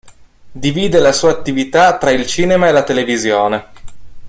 Divide la sua attività tra il cinema e la televisione.